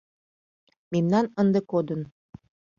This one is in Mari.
Мемнан ынде кодын